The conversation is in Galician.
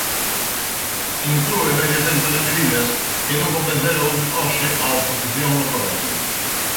Inclúe medio cento de medidas, que non convenceron hoxe a oposición no Parlamento.